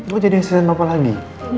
oh jadi aksesan papa lagi